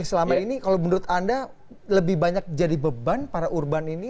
selama ini kalau menurut anda lebih banyak jadi beban para urban ini